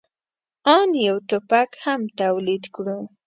آن یو ټوپک هم تولید کړو.